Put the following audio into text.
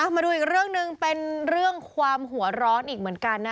มาดูอีกเรื่องหนึ่งเป็นเรื่องความหัวร้อนอีกเหมือนกันนะ